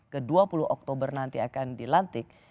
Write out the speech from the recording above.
ke dua puluh oktober nanti akan dilantik